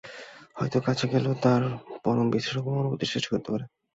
হয়তো কাছে গেলেও তার পরশ বিশ্রী রকমের অনুভূতি সৃষ্টি করতে পারে।